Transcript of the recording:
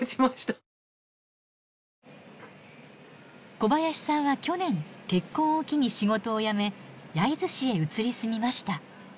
小林さんは去年結婚を機に仕事を辞め焼津市へ移り住みました。